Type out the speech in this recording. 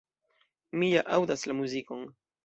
Mi ja aŭdas la muzikon!